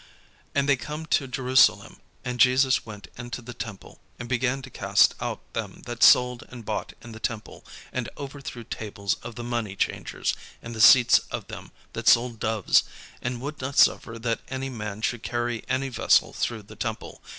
And they come to Jerusalem: and Jesus went into the temple, and began to cast out them that sold and bought in the temple, and overthrew tables of the money changers, and the seats of them that sold doves; and would not suffer that any man should carry any vessel through the temple.